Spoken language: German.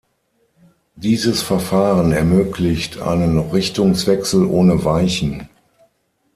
Dieses Verfahren ermöglicht einen Richtungswechsel ohne Weichen.